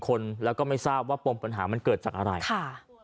คนแล้วก็ไม่ทราบว่าปมปัญหามันเกิดจากอะไรค่ะ